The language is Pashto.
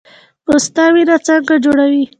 پسته وینه څنګه جوړوي؟